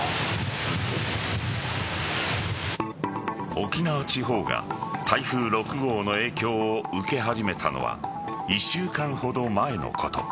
沖縄地方が台風６号の影響を受け始めたのは１週間ほど前のこと。